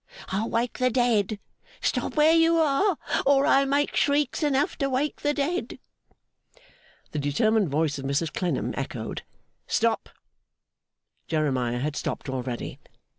I'll wake the dead! Stop where you are, or I'll make shrieks enough to wake the dead!' The determined voice of Mrs Clennam echoed 'Stop!' Jeremiah had stopped already.